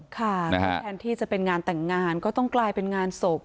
แทนที่จะเป็นงานแต่งงานก็ต้องกลายเป็นงานศพ